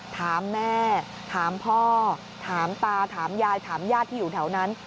ถามแม่ถามพ่อถามป่าถามยาที่อยู่แถวนั้น